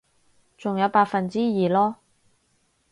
仲有百分之二囉